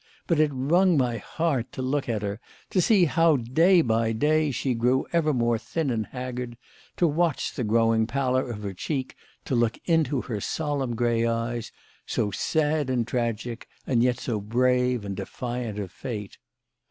But it wrung my heart to look at her, to see how, day by day, she grew ever more thin and haggard; to watch the growing pallor of her cheek; to look into her solemn grey eyes, so sad and tragic and yet so brave and defiant of fate.